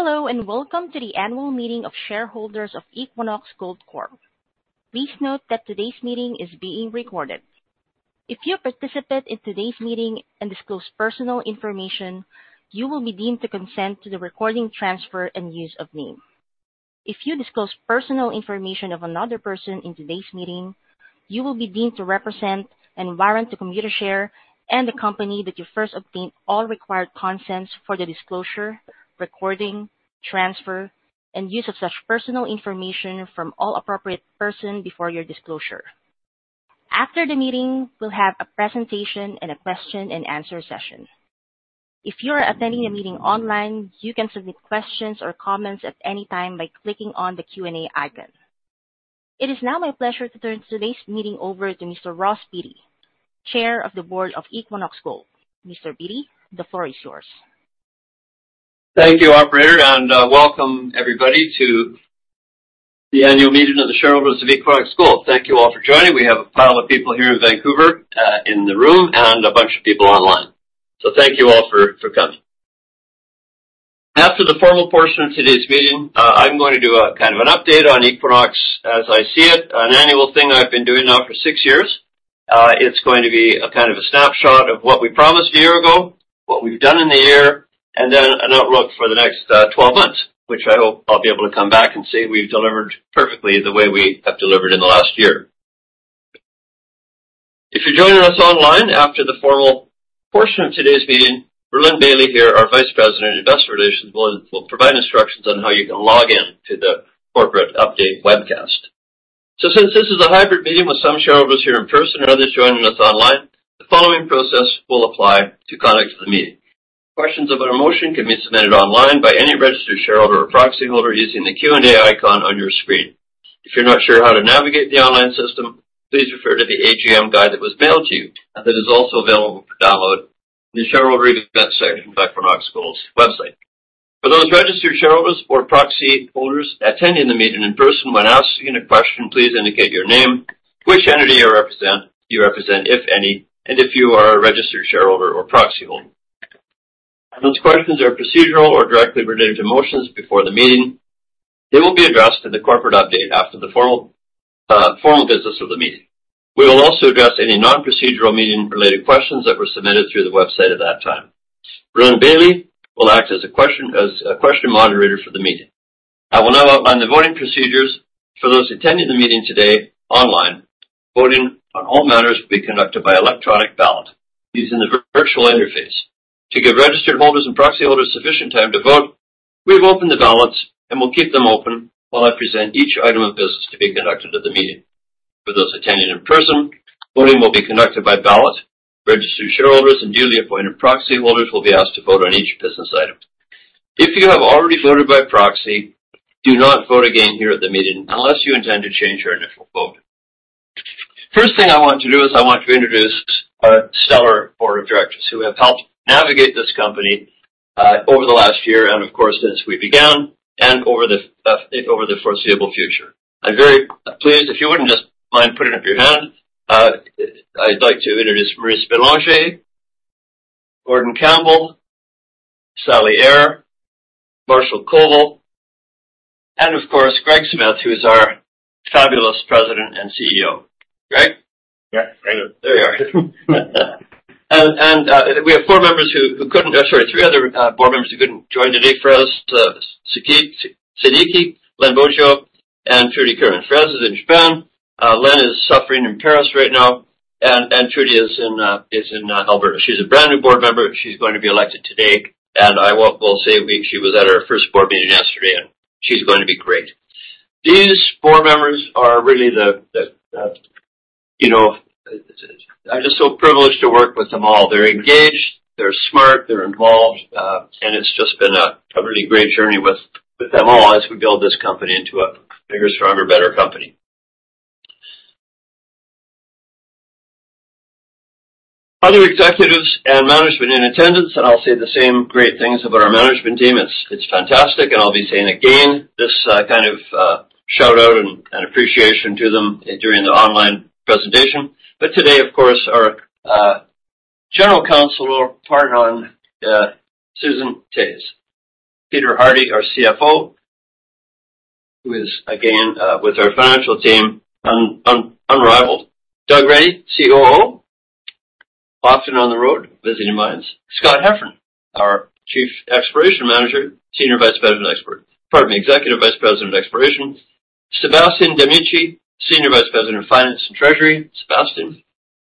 Hello and welcome to the annual meeting of shareholders of Equinox Gold Corp. Please note that today's meeting is being recorded. If you participate in today's meeting and disclose personal information, you will be deemed to consent to the recording transfer and use of name. If you disclose personal information of another person in today's meeting, you will be deemed to represent and warrant to Computershare and the company that you first obtained all required consents for the disclosure, recording, transfer, and use of such personal information from all appropriate person before your disclosure. After the meeting, we'll have a presentation and a question-and-answer session. If you are attending the meeting online, you can submit questions or comments at any time by clicking on the Q&A icon. It is now my pleasure to turn today's meeting over to Mr. Ross Beaty, Chair of the Board of Equinox Gold. Mr. Beaty, the floor is yours. Thank you, Operator, and welcome everybody to the annual meeting of the shareholders of Equinox Gold. Thank you all for joining. We have a pile of people here in Vancouver in the room and a bunch of people online, so thank you all for coming. After the formal portion of today's meeting, I'm going to do kind of an update on Equinox as I see it, an annual thing I've been doing now for six years. It's going to be kind of a snapshot of what we promised a year ago, what we've done in the year, and then an outlook for the next 12 months, which I hope I'll be able to come back and see we've delivered perfectly the way we have delivered in the last year. If you're joining us online after the formal portion of today's meeting, Rhylin Bailie here, our Vice President of Investor Relations, will provide instructions on how you can log in to the corporate update webcast. So since this is a hybrid meeting with some shareholders here in person and others joining us online, the following process will apply to conduct the meeting. Questions about a motion can be submitted online by any registered shareholder or proxy holder using the Q&A icon on your screen. If you're not sure how to navigate the online system, please refer to the AGM guide that was mailed to you and that is also available for download in the shareholder event section of Equinox Gold's website. For those registered shareholders or proxy holders attending the meeting in person, when asking a question, please indicate your name, which entity you represent, if any, and if you are a registered shareholder or proxy holder. Those questions that are procedural or directly related to motions before the meeting, they will be addressed in the corporate update after the formal business of the meeting. We will also address any non-procedural meeting-related questions that were submitted through the website at that time. Rhylin Bailie will act as a question moderator for the meeting. I will now outline the voting procedures. For those attending the meeting today online, voting on all matters will be conducted by electronic ballot using the virtual interface. To give registered holders and proxy holders sufficient time to vote, we've opened the ballots and we'll keep them open while I present each item of business to be conducted at the meeting. For those attending in person, voting will be conducted by ballot. Registered shareholders and duly appointed proxy holders will be asked to vote on each business item. If you have already voted by proxy, do not vote again here at the meeting unless you intend to change your initial vote. First thing I want to do is I want to introduce our stellar board of directors who have helped navigate this company over the last year and, of course, since we began and over the foreseeable future. I'm very pleased if you wouldn't just mind putting up your hand. I'd like to introduce Maryse Bélanger, Gordon Campbell, Sally Eyre, Marshall Koval, and, of course, Greg Smith, who is our fabulous President and CEO. Greg? Yeah, right here. There you are. We have four members who couldn't sorry, three other board members who couldn't join today: Fizul Siddiqui, Len Boggio, and Trudy Curran. Fizul is in Japan. Len is suffering in Paris right now, and Trudy is in Alberta. She's a brand new board member. She's going to be elected today, and we'll say she was at her first board meeting yesterday, and she's going to be great. These board members are really. I'm just so privileged to work with them all. They're engaged. They're smart. They're involved. It's just been a really great journey with them all as we build this company into a bigger, stronger, better company. Other executives and management in attendance, and I'll say the same great things about our management team. It's fantastic. I'll be saying again this kind of shout-out and appreciation to them during the online presentation. But today, of course, our General Counsel, Susan Toews. Peter Hardie, our CFO, who is, again, with our financial team, unrivaled. Doug Reddy, COO, often on the road visiting mines. Scott Heffernan, our chief exploration manager, senior vice president—pardon me—executive vice president of exploration. Sebastien D'Amico, senior vice president of finance and treasury, Sebastien.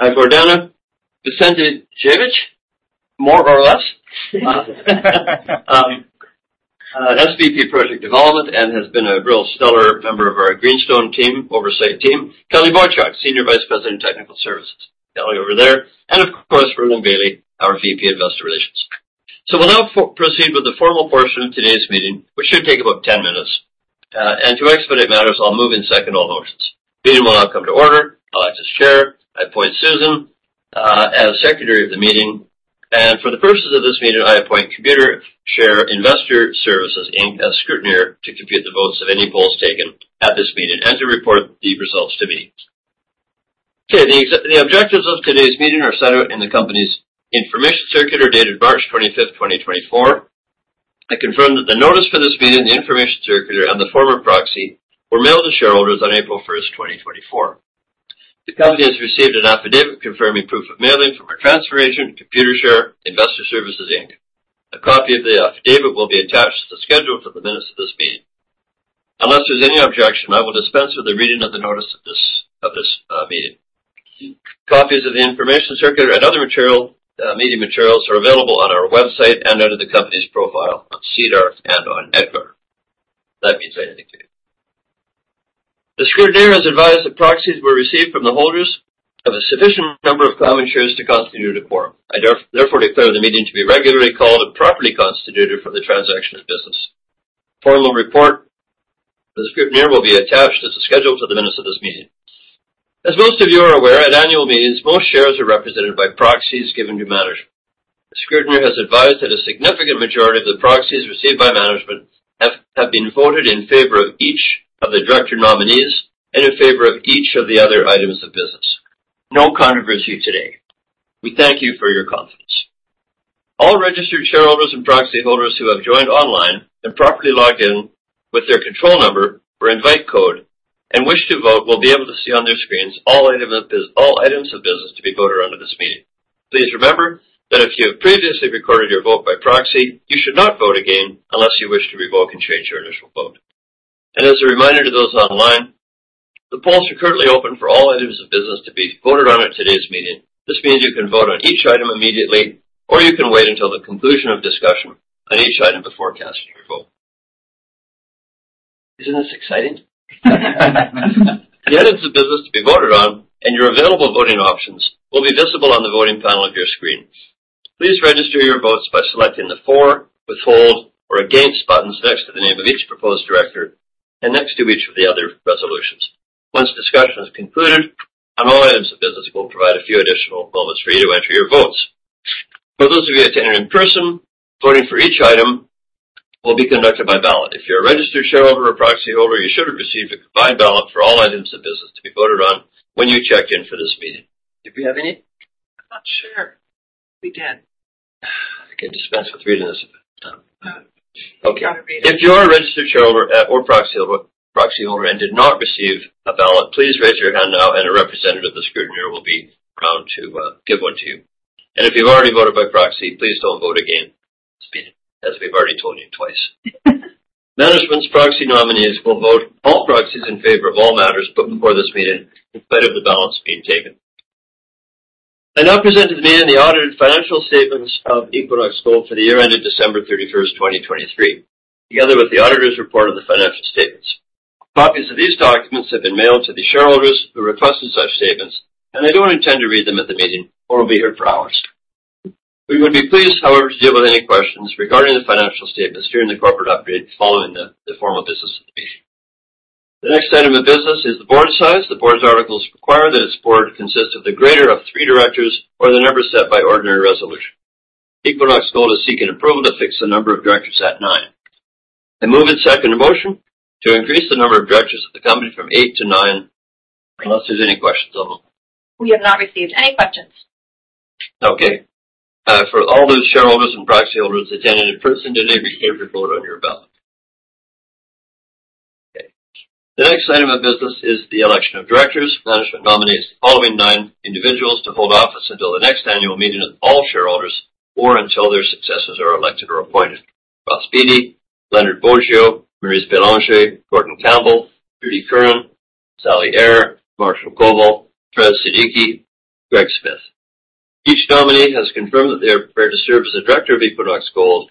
Gordana Slepcev, more or less. SVP project development and has been a real stellar member of our Greenstone team oversight team. Kelly Boychuk, senior vice president of technical services, Kelly over there. And, of course, Rhylin Bailie, our VP investor relations. So we'll now proceed with the formal portion of today's meeting, which should take about 10 minutes. And to expedite matters, I'll move and second all motions. Meeting will now come to order. I'll act as chair. I appoint Susan as secretary of the meeting. For the purposes of this meeting, I appoint Computershare Investor Services Inc. as scrutineer to compute the votes of any polls taken at this meeting and to report the results to me. Okay. The objectives of today's meeting are set out in the company's information circular dated March 25th, 2024. I confirm that the notice for this meeting, the information circular, and the formal proxy were mailed to shareholders on April 1st, 2024. The company has received an affidavit confirming proof of mailing from our transfer agent, Computershare Investor Services Inc. A copy of the affidavit will be attached to the schedule for the minutes of this meeting. Unless there's any objection, I will dispense with the reading of the notice of this meeting. Copies of the information circular and other meeting materials are available on our website and under the company's profile on SEDAR+ and on EDGAR. That means I indicate. The scrutineer has advised that proxies were received from the holders of a sufficient number of common shares to constitute a quorum. I therefore declare the meeting to be regularly called and properly constituted for the transaction of business. Formal report of the scrutineer will be attached to the schedule for the minutes of this meeting. As most of you are aware, at annual meetings, most shares are represented by proxies given to management. The scrutineer has advised that a significant majority of the proxies received by management have been voted in favor of each of the director nominees and in favor of each of the other items of business. No controversy today. We thank you for your confidence. All registered shareholders and proxy holders who have joined online and properly logged in with their control number or invite code and wish to vote will be able to see on their screens all items of business to be voted on at this meeting. Please remember that if you have previously recorded your vote by proxy, you should not vote again unless you wish to revoke and change your initial vote. As a reminder to those online, the polls are currently open for all items of business to be voted on at today's meeting. This means you can vote on each item immediately, or you can wait until the conclusion of discussion on each item before casting your vote. Isn't this exciting? The items of business to be voted on and your available voting options will be visible on the voting panel of your screen. Please register your votes by selecting the for, withhold, or against buttons next to the name of each proposed director and next to each of the other resolutions. Once discussion is concluded, on all items of business, we'll provide a few additional moments for you to enter your votes. For those of you attending in person, voting for each item will be conducted by ballot. If you're a registered shareholder or proxy holder, you should have received a combined ballot for all items of business to be voted on when you checked in for this meeting. Did we have any? I'm not sure. We did. I can dispense with reading this if okay. If you're a registered shareholder or proxy holder and did not receive a ballot, please raise your hand now, and a representative of the scrutineer will be around to give one to you. If you've already voted by proxy, please don't vote again as we've already told you twice. Management's proxy nominees will vote all proxies in favor of all matters put before this meeting in spite of the ballots being taken. I now present to the meeting the audited financial statements of Equinox Gold for the year ended December 31st, 2023, together with the auditor's report of the financial statements. Copies of these documents have been mailed to the shareholders who requested such statements, and they don't intend to read them at the meeting or will be here for hours. We would be pleased, however, to deal with any questions regarding the financial statements during the corporate update following the formal business of the meeting. The next item of business is the board size. The board's articles require that its board consist of the greater of three directors or the number set by ordinary resolution. Equinox Gold has seeking approval to fix the number of directors at nine. I move and second a motion to increase the number of directors of the company from eight to nine unless there's any questions on them. We have not received any questions. Okay. For all those shareholders and proxy holders attending in person today, receive your vote on your ballot. Okay. The next item of business is the election of directors. Management nominates the following nine individuals to hold office until the next annual meeting of all shareholders or until their successors are elected or appointed: Ross Beaty, Len Boggio, Maryse Bélanger, Gordon Campbell, Trudy Curran, Sally Eyre, Marshall Koval, Fizul Siddiqui, Greg Smith. Each nominee has confirmed that they are prepared to serve as a director of Equinox Gold.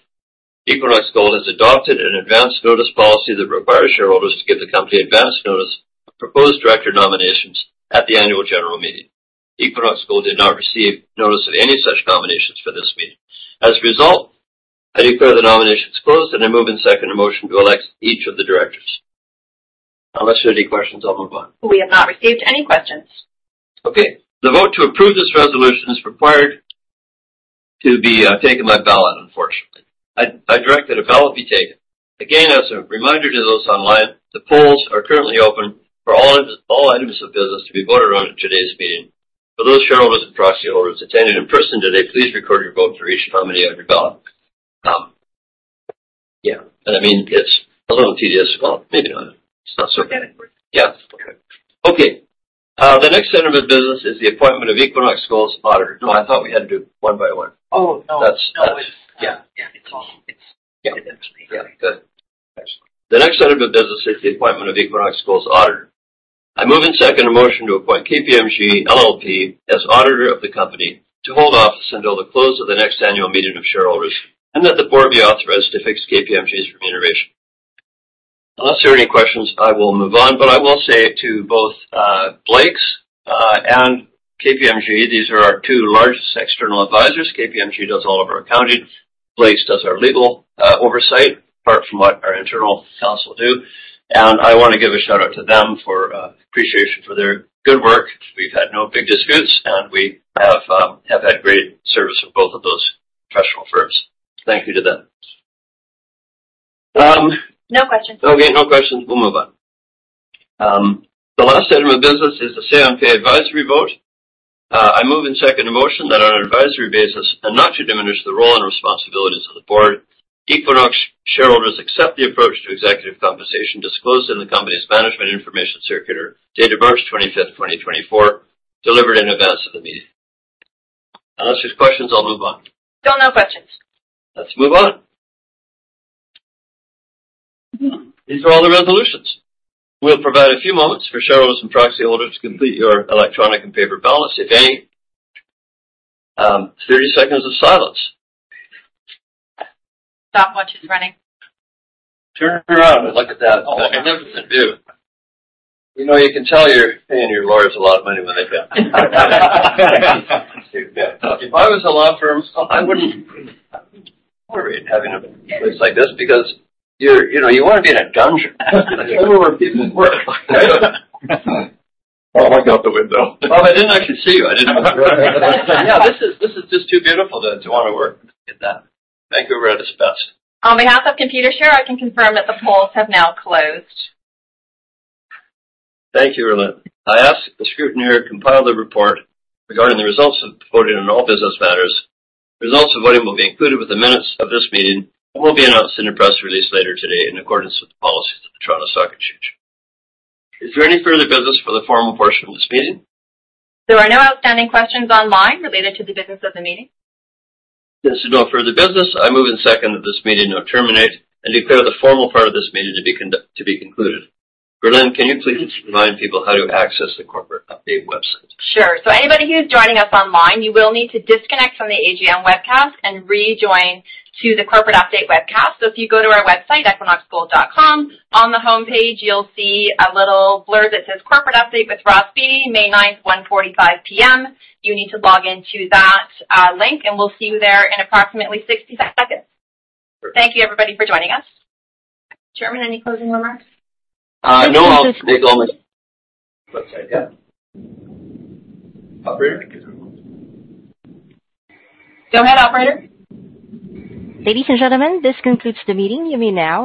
Equinox Gold has adopted an advance notice policy that requires shareholders to give the company advance notice of proposed director nominations at the annual general meeting. Equinox Gold did not receive notice of any such nominations for this meeting. As a result, I declare the nominations closed, and I move and second a motion to elect each of the directors. Unless there are any questions, I'll move on. We have not received any questions. Okay. The vote to approve this resolution is required to be taken by ballot, unfortunately. I direct that a ballot be taken. Again, as a reminder to those online, the polls are currently open for all items of business to be voted on at today's meeting. For those shareholders and proxy holders attending in person today, please record your vote for each nominee on your ballot. Yeah. And I mean, it's a little tedious. Well, maybe not. It's not so bad. It's okay. Yeah. Okay. Okay. The next item of business is the appointment of Equinox Gold's auditor. No, I thought we had to do one by one. Oh, no. That's. No, it's yeah. Yeah, it's all. It's interesting. Yeah. Good. Excellent. The next item of business is the appointment of Equinox Gold's auditor. I move and second a motion to appoint KPMG LLP as auditor of the company to hold office until the close of the next annual meeting of shareholders and that the board be authorized to fix KPMG's remuneration. Unless there are any questions, I will move on. But I will say to both Blakes and KPMG, these are our two largest external advisors. KPMG does all of our accounting. Blakes does our legal oversight, apart from what our internal counsel do. And I want to give a shout-out to them for appreciation for their good work. We've had no big disputes, and we have had great service from both of those professional firms. Thank you to them. No questions. Okay. No questions. We'll move on. The last item of business is the Say on Pay advisory vote. I move and second a motion that, on an advisory basis and not to diminish the role and responsibilities of the board, Equinox shareholders accept the approach to executive compensation disclosed in the company's management information circular dated March 25th, 2024, delivered in advance of the meeting. Unless there's questions, I'll move on. Still no questions. Let's move on. These are all the resolutions. We'll provide a few moments for shareholders and proxy holders to complete your electronic and paper ballots, if any. 30 seconds of silence. Stop watching the running. Turn around and look at that. Oh, and everything, dude. You can tell you're paying your lawyers a lot of money when they pay. If I was a law firm, I wouldn't worry about having a place like this because you want to be in a dungeon. That's where people work, right? Oh, I got the window. Oh, I didn't actually see you. I didn't know. Yeah, this is just too beautiful to want to work at that. Thank you, Rhylin Bailie. On behalf of Computershare, I can confirm that the polls have now closed. Thank you, Rhylin. I ask the scrutineer to compile the report regarding the results of voting on all business matters. Results of voting will be included with the minutes of this meeting and will be announced in a press release later today in accordance with the policies of the Toronto Stock Exchange. Is there any further business for the formal portion of this meeting? There are no outstanding questions online related to the business of the meeting. Since there's no further business, I move and second that this meeting now terminate and declare the formal part of this meeting to be concluded. Rhylin, can you please remind people how to access the corporate update website? Sure. So anybody who's joining us online, you will need to disconnect from the AGM webcast and rejoin to the corporate update webcast. So if you go to our website, equinoxgold.com, on the homepage, you'll see a little blurb that says "Corporate Update with Ross Beaty, May 9th, 1:45 P.M." You need to log into that link, and we'll see you there in approximately 60 seconds. Thank you, everybody, for joining us. Chairman, any closing remarks? No, I'll take all my website. Yeah. Operator? Go ahead, operator. Ladies and gentlemen, this concludes the meeting. You may now.